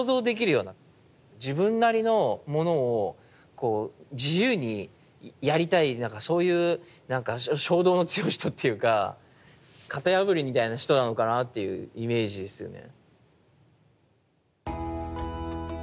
自分なりのものを自由にやりたいそういうなんか衝動の強い人っていうか型破りみたいな人なのかなっていうイメージですよね。